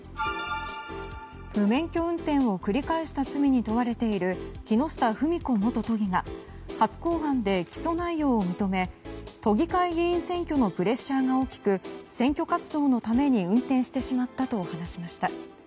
無免許運転を繰り返した罪に問われている木下富美子元都議が初公判で起訴内容を認め都議会議員選挙のプレッシャーが大きく選挙活動のために運転してしまったと話しました。